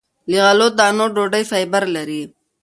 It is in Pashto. له غلو- دانو ډوډۍ فایبر لري.